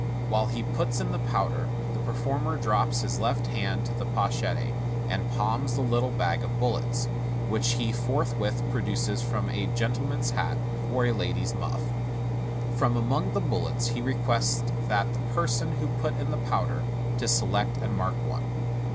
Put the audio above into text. While he puts in the powder, the performer drops his left hand to the pochette, and palms the little bag of bullets, which he forthwith produces from a gentle man's hat, or a lady's muff.* From among the bullets he re quests the person who put in the powder to select and mark one.